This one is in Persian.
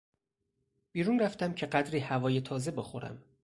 بیرون رفتم که قدری هوای تازه بخورم.